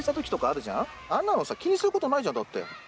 あんなのさ、気にすることないじゃん、だって。